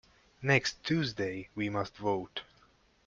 Next Tuesday we must vote.